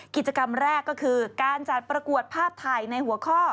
กิจกรรมแรกก็คือการจัดประกวดภาพถ่ายในหัวข้อ